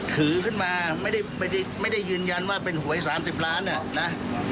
ถือขึ้นมาไม่ได้ยืนยันว่าเป็นหวย๓๐ล้านเนี่ยนะ